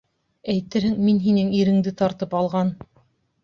Әйтерһең, мин һинең иреңде тартып алған.